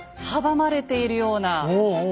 阻まれているような。